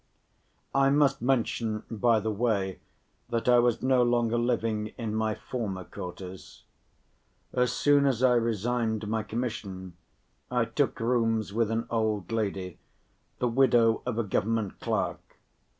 I must mention, by the way, that I was no longer living in my former quarters. As soon as I resigned my commission, I took rooms with an old lady, the widow of a government clerk.